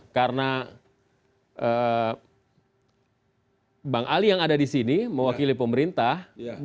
karena bang ali yang ada di sini mewakili pemerintah